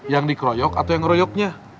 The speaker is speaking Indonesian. yang dikroyok atau yang ngeroyoknya